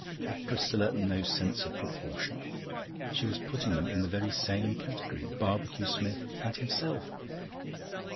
Had Priscilla no sense of proportion? She was putting them in the same category Barbecue Smith and himself.